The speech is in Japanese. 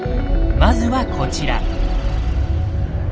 まずはこちら。